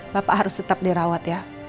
bapak harus tetap dirawat ya